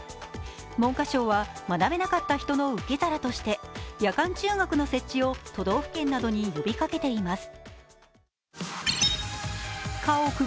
文科省は、学べなかった人の受け皿として、夜間中学の設置を都道府県などに呼びかけています。